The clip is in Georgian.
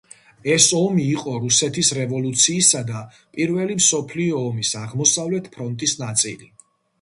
ეს ომი იყო რუსეთის რევოლუციისა და პირველი მსოფლიო ომის აღმოსავლეთ ფრონტის ნაწილი.